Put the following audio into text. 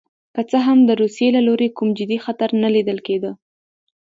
که څه هم د روسیې له لوري کوم جدي خطر نه لیدل کېده.